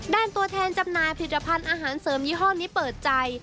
ตัวแทนจำหน่ายผลิตภัณฑ์อาหารเสริมยี่ห้อนี้เปิดใจ